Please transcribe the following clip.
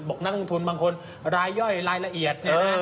บอกนักลงทุนบางคนรายย่อยรายละเอียด